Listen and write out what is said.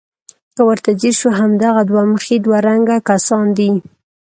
که ورته ځیر شو همدغه دوه مخي دوه رنګه کسان دي.